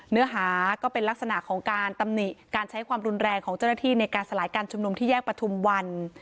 เนื้อหาก็เป็นลักษณะของการตำหนิการใช้ความรุนแรงของเจ้าหน้าที่ในการสลายการชุมนุมที่แยกประทุมวัน